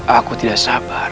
aku tidak sabar